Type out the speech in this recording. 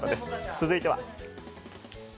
続いては。